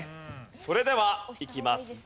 それではいきます。